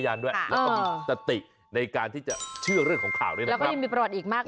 เพราะว่าทางนู้นน่ากลัวกว่า